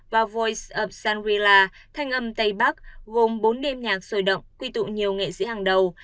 và voice of sandrila thanh âm tây bắc gồm bốn đêm nhạc sôi động quy tụ nhiều nghệ sĩ hàng đầu